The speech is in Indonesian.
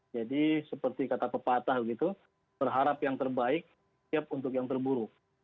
jadi seperti kata pepatah gitu berharap yang terbaik siap untuk yang terburuk